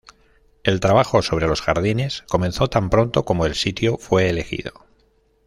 El trabajo sobre los jardines comenzó tan pronto como el sitio fue elegido.